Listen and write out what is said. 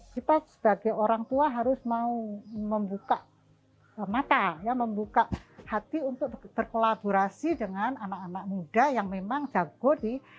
kita sebagai orang tua harus mau membuka mata ya membuka hati untuk berkolaborasi dengan anak anak muda yang memang jago di